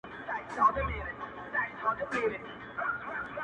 الله ته لاس پورته كړو ـ